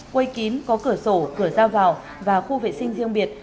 quây kín có cửa sổ cửa ra vào và khu vệ sinh riêng biệt